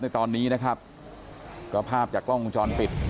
ในตอนนี้นะครับก็ภาพจากกล้องวงจรปิด